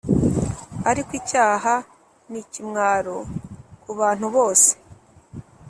ariko icyaha nikimwaro kubantu bose